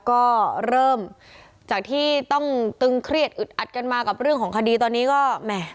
ก็เริ่มจากที่ต้องตึงเครียดอึดอัดกันมากับเรื่องของคดีตอนนี้ก็แหม่